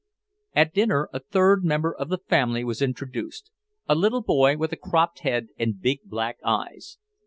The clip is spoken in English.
At dinner a third member of the family was introduced, a little boy with a cropped head and big black eyes.